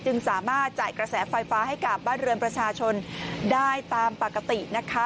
สามารถจ่ายกระแสไฟฟ้าให้กับบ้านเรือนประชาชนได้ตามปกตินะคะ